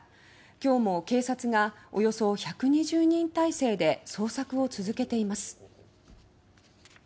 今日も警察がおよそ１２０人体制で捜索を続けています。